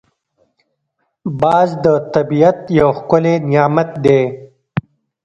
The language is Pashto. باز د طبیعت یو ښکلی نعمت دی